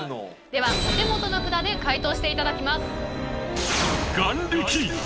ではお手元の札で解答していただきます。